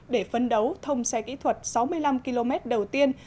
để phấn đấu thông xe kỹ thuật sáu mươi năm km đầu tiên